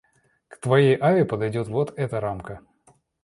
К твоей аве подойдёт вот эта рамка.